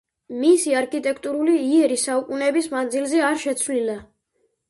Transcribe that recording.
მისი არქიტექტურული იერი საუკუნეების მანძილზე არ შეცვლილა.